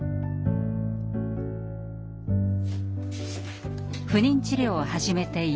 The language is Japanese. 不妊治療を始めて１年。